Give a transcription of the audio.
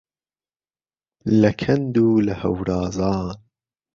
له کهند و له ههورازان